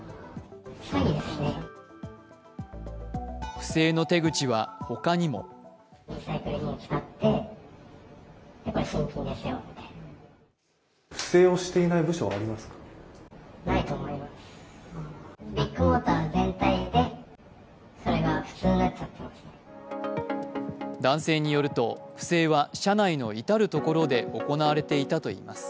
不正の手口は他にも男性によると不正は社内の至るところで行われていたといいます。